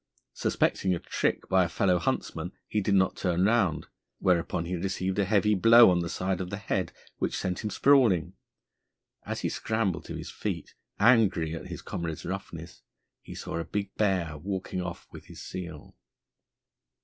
Suspecting a trick by a fellow huntsman, he did not turn round, whereupon he received a heavy blow on the side of the head which sent him sprawling. As he scrambled to his feet, angry at his comrade's roughness, he saw a big bear walking off with his seal.